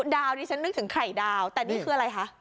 ดาวดิฉันนึกถึงไข่ดาวแต่นี่คืออะไรคะ